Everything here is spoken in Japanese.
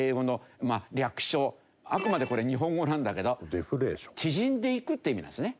あくまでこれ日本語なんだけど縮んでいくっていう意味なんですね。